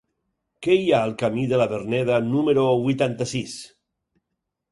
Què hi ha al camí de la Verneda número vuitanta-sis?